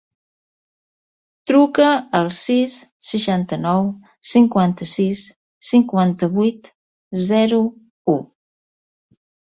Truca al sis, seixanta-nou, cinquanta-sis, cinquanta-vuit, zero, u.